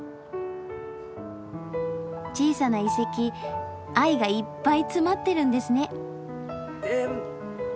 小さな遺跡愛がいっぱい詰まってるんですね。